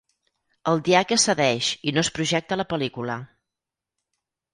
El diaca cedeix i no es projecta la pel·lícula.